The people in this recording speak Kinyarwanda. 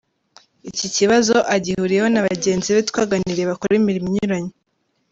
Iki kibazo agihuriyeho na bagenzi be twaganiriye bakora imirimo inyuranye.